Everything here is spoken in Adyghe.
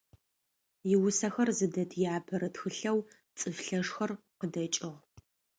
Иусэхэр зыдэт иапэрэ тхылъэу «Цӏыф лъэшхэр» къыдэкӏыгъ.